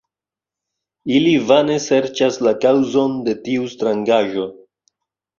Ili vane serĉas la kaŭzon de tiu strangaĵo.